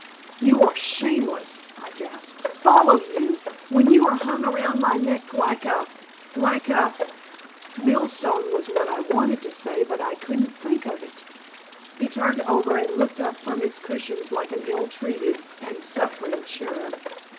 "You are shameless!" I gasped. "Follow you! When you are hung around my neck like a like a " Millstone was what I wanted to say, but I couldn't think of it. He turned over and looked up from his cushions like an ill treated and suffering cherub.